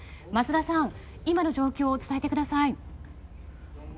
桝田さん、今の状況を伝えてください。